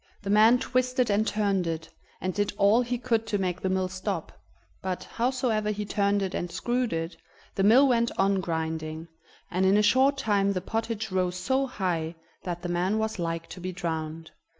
The man twisted and turned it, and did all he could to make the mill stop, but, howsoever he turned it and screwed it, the mill went on grinding, and in a short time the pottage rose so high that the man was like to be drowned.